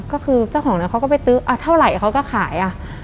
ก็คือเจ้าของนั้นเขาก็ไปตื้อเท่าไหร่เขาก็ขายอ่ะ